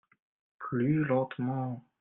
Plus lentement.